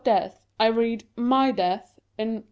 deaths I read my deaths and